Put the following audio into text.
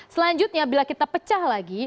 selanjutnya bila kita pecah lagi